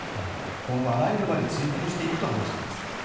今後、あらゆる場で追及していくと話しています。